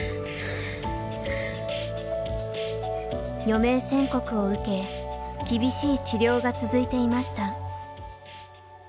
余命宣告を受け厳しい治療が続いていました。